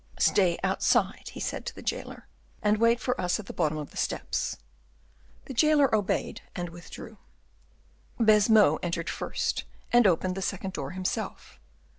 "Stay outside," he said to the jailer, "and wait for us at the bottom of the steps." The jailer obeyed and withdrew. Baisemeaux entered first, and opened the second door himself.